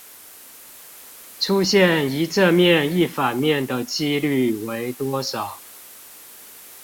出現一正面一反面的機率為多少？